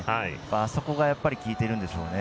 あそこがやっぱり効いているんでしょうね。